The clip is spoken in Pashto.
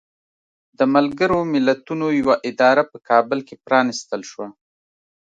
د ملګرو ملتونو یوه اداره په کابل کې پرانستل شوه.